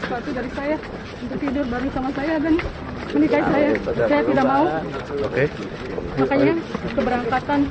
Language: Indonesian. waktu dari saya untuk tidur baru sama saya dan menikahi saya saya tidak mau oke makanya keberangkatan